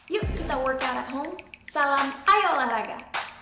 yuk kita workout at home salam ayo olahraga